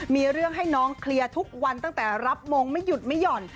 มีเรื่องให้น้องเคลียร์ทุกวันตั้งแต่รับมงไม่หยุดไม่หย่อน